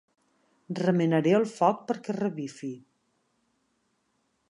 Remenaré el foc perquè revifi.